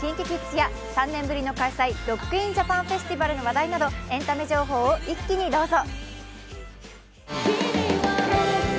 ＫｉｎＫｉＫｉｄｓや３年ぶりの開催、ロック・イン・ジャパン・フェスティバルの話題などエンタメ情報を一気にどうぞ。